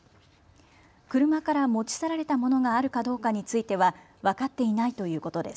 車から持ち去られたものがあるかどうかについては分かっていないということです。